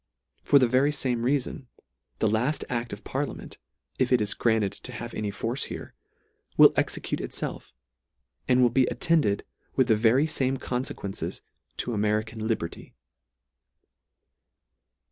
For the very fame reafon, the laft act of parliament, if it is granted to have any force here, will execute itfelf, and will be attended with the very fame confequences to American Liberty.